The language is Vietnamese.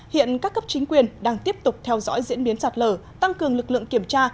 hiện các cấp chính quyền đang tiếp tục theo dõi diễn biến sạt lở tăng cường lực lượng kiểm tra